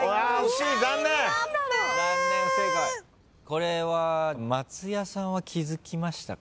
これは松也さんは気付きましたか？